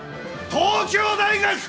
東京大学！